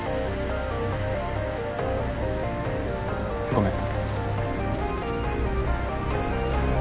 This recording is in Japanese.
ごめん。